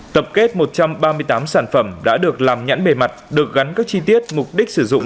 tập kết một trăm ba mươi tám sản phẩm đã được làm nhãn bề mặt được gắn các chi tiết mục đích sử dụng